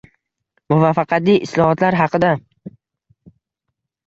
Muvaffaqiyatli islohotlar haqida